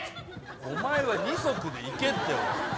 お前は２足で行けって。